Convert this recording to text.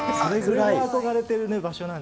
それぐらい憧れてる場所